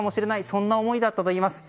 そんな思いだったといいます。